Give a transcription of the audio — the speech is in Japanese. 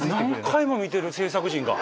何回も見てる制作陣が。